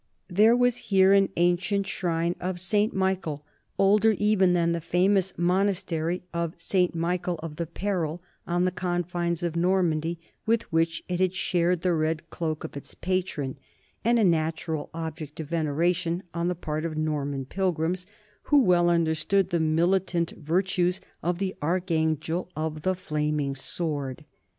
There was here an ancient shrine of St. Michael, older even than the famous monastery of St. Michael of the Peril on the confines of Normandy with which it had shared the red cloak of its patron, and a natural object of veneration on the part of Norman pilgrims, who well understood the militant virtues of the archangel of the flaming sword.